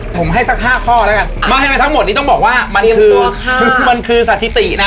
ผมให้สัก๕ข้อแล้วกันมาให้ในทั้งหมดนี้ต้องบอกว่ามันคือสถิตินะ